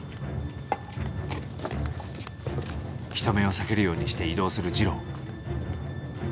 人目を避けるようにして移動する二郎。